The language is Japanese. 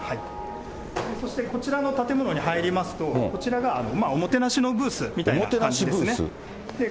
そしてこちらの建物に入りますと、こちらがおもてなしのブースみたいな感じですね。